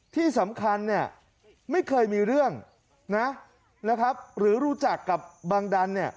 ที่สำคัญเนี่ยไม่เคยมีเรื่องนะครับหรือรู้จักกับบังดันเนี่ย